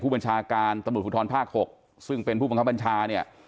บัญชาการตำรวจภูทรภาค๖ซึ่งเป็นผู้บังคับบัญชาเนี่ย